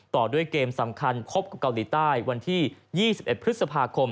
ต่อด้วยเกมสำคัญพบกับเกาหลีใต้วันที่๒๑พฤษภาคม